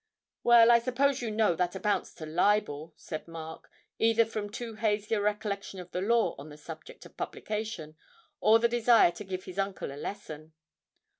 'Well, I suppose you know that amounts to libel?' said Mark, either from too hazy a recollection of the law on the subject of 'publication' or the desire to give his uncle a lesson.